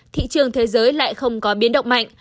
thị trường thế giới lại không có biến động mạnh